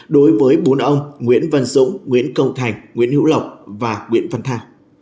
đối với bốn ông nguyễn văn dũng nguyễn cầu thành nguyễn hữu lộc và nguyễn văn thà